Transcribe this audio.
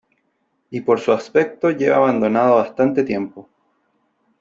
y por su aspecto lleva abandonado bastante tiempo .